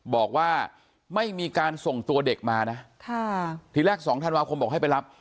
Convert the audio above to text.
บอกว่าไม่มีการส่งตัวเด็กมานะทีแรก๒ธันวาคมบอกให้ไปรับ